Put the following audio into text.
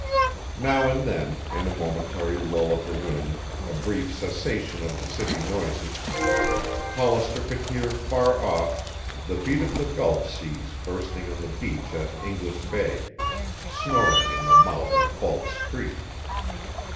Now and then, in a momentary lull of the wind, a brief cessation of the city noises, Hollister could hear far off the beat of the Gulf seas bursting on the beach at English Bay, snoring in the mouth of False Creek.